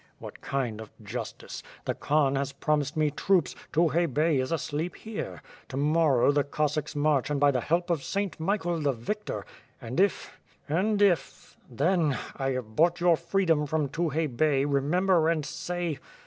"What kind of justice? The Khan has promised me troops, Tukhay Bey is asleep here! to morrow he Cossacks march and by the help of Saint Michael the Victor! ... and if .. and if .. then .. I have bought your freedom from Tukhay Bey remember and say